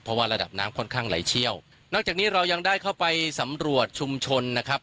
เพราะว่าระดับน้ำค่อนข้างไหลเชี่ยวนอกจากนี้เรายังได้เข้าไปสำรวจชุมชนนะครับ